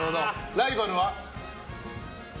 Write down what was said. ライバル。